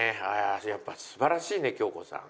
やっぱ素晴らしいね恭子さん。